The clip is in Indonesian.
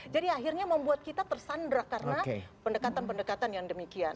jadi akhirnya membuat kita tersandra karena pendekatan pendekatan yang demikian